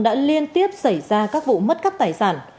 đã liên tiếp xảy ra các vụ mất cắp tài sản